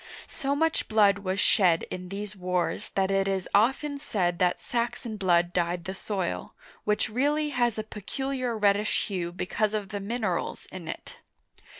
So much blood was shed in these wars that it is often said that Saxon blood dyed the soil, which really has a peculiar reddish hue because of the minerals in it.